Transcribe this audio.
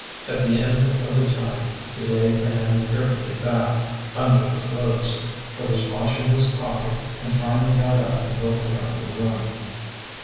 At the end of the time he laid the hand carefully back under the clothes, put his watch in his pocket, and finally got up and looked around the room.